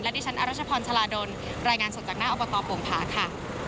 ดิฉันอรัชพรชาลาดลรายงานสดจากหน้าอบตโป่งผาค่ะ